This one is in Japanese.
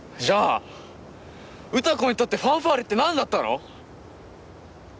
じゃあ詩子にとってファンファーレって何だったの？